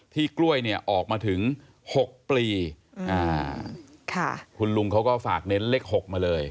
ที่กล้วยเนี่ยออกมาถึงหกปีอ่าค่ะคุณลุงเขาก็ฝากเน้นเลขหกมาเลย